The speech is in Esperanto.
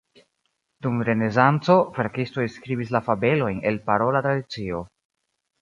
Dum Renesanco, verkistoj skribis la fabelojn el parola tradicio.